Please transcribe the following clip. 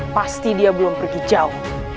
pasti dia belum pergi jauh